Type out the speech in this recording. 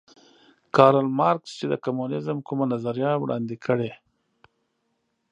کارل مارکس چې د کمونیزم کومه نظریه وړاندې کړې